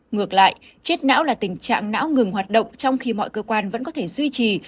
ngược lại chết não là tình trạng não ngừng hoạt động trong khi mọi cơ quan vẫn có thể duy trì